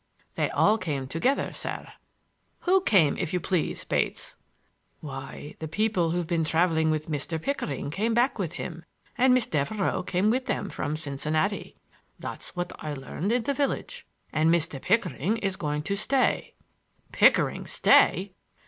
"They all came together, sir." "Who came; if you please, Bates?" "Why, the people who've been traveling with Mr. Pickering came back with him, and Miss Devereux came with them from Cincinnati. That's what I learned in the village. And Mr. Pickering is going to stay—" "Pickering stay!"